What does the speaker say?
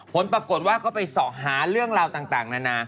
ผลปรากฏว่าก็ไปสอบหาเรื่องราวต่างนะ